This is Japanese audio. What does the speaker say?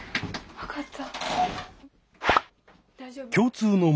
分かった。